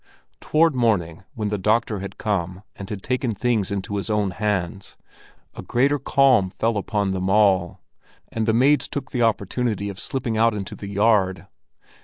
Toward morning, when the doctor had come and had taken things into his own hands, a greater calm fell upon them all, and the maids took the opportunity of slipping out into the yard.